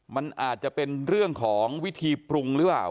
มันอาจจะเป็นเรื่องของวิธีปรุงหรือเปล่า